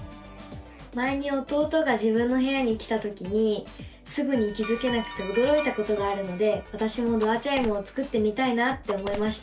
前に弟が自分の部屋に来たときにすぐに気付けなくておどろいたことがあるのでわたしもドアチャイムを作ってみたいなって思いました！